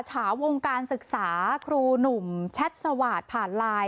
ฉาวงการศึกษาครูหนุ่มแชทสวาสตร์ผ่านไลน์